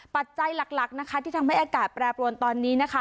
ปัจจัยหลักนะคะที่ทำให้อากาศแปรปรวนตอนนี้นะคะ